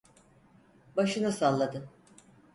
Başını salladı...